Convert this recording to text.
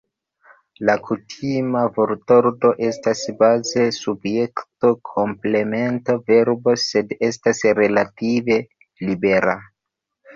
La kutima vortordo estas baze subjekto-komplemento-verbo, sed estas relative libera.